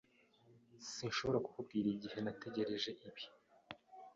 Sinshobora kukubwira igihe nategereje ibi.